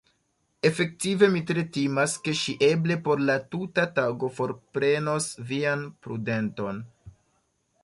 Efektive mi tre timas, ke ŝi eble por la tuta tago forprenos vian prudenton.